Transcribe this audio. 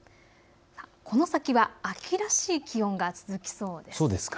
この先は秋らしい気温が続きそうです。